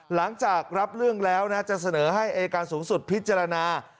หลังจากรับเรื่องแล้วนะจะเสนอให้อายการสูงสุดพิจารณา